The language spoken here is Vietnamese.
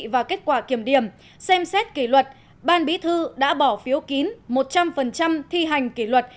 và kết quả kiểm điểm xem xét kỷ luật ban bí thư đã bỏ phiếu kín một trăm linh thi hành kỷ luật